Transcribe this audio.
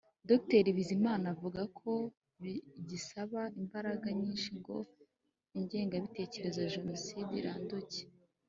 Dr Bizimamana avuga ko bigisaba imbaraga nyinshi ngo ingengabitekerezo ya Jenoside iranduke